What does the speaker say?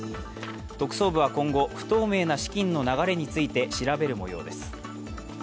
特捜部は今後、不透明な資金の流れについて調べるもようです。